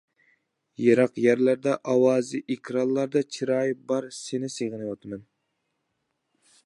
يىراق يەرلەردە ئاۋازى، ئېكرانلاردا چىرايى بار سېنى سېغىنىۋاتىمەن.